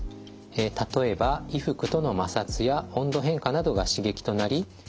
例えば衣服との摩擦や温度変化などが刺激となりかゆみが発生します。